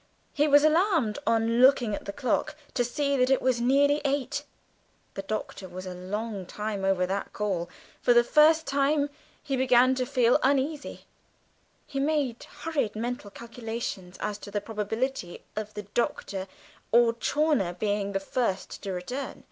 He was alarmed on looking at the clock to see that it was nearly eight; the Doctor was a long time over that call for the first time he began to feel uneasy he made hurried mental calculations as to the probability of the Doctor or Chawner being the first to return.